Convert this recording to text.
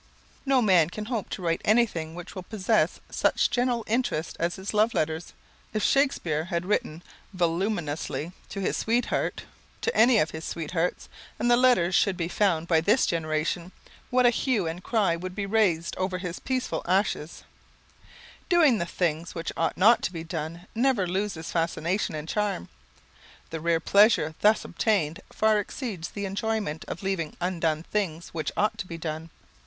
No man can hope to write anything which will possess such general interest as his love letters. If Shakespeare had written voluminously to his sweetheart to any of his sweethearts and the letters should be found by this generation, what a hue and cry would be raised over his peaceful ashes! [Sidenote: Sins of Commission] Doing the things which ought not to be done never loses fascination and charm. The rare pleasure thus obtained far exceeds the enjoyment of leaving undone things which ought to be done.